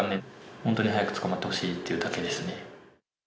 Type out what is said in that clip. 本当に早く捕まってほしいっていうだけですね。